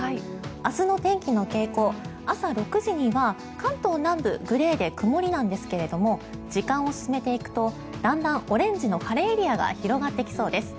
明日の天気の傾向朝６時には関東南部グレーで曇りなんですけど時間を進めていくとだんだんオレンジの晴れエリアが広がってきそうです。